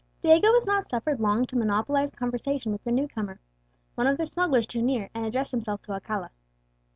Diego was not suffered long to monopolize conversation with the new comer. One of the smugglers drew near, and addressed himself to Alcala.